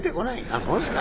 「あっそうですか？」。